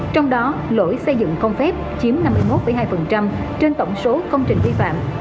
trong đó lỗi xây dựng không phép chiếm năm mươi một hai trên tổng số công trình vi phạm